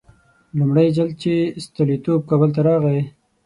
لومړی ځل چې ستولیتوف کابل ته راغی.